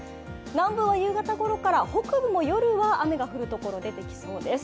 南部は夕方ごろから、北部も夜は雨の降る所、出てきそうです。